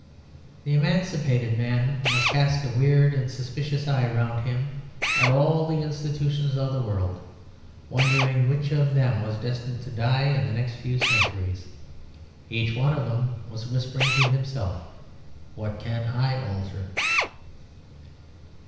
The emancipated man must cast a weird and suspicious eye round him at all the institutions of the world, wondering which of them was destined to die in the next few centuries. Each one of them was whispering to himself, "What can I alter?"